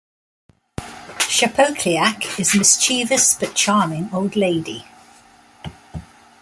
Shapoklyak is a mischievous but charming old lady.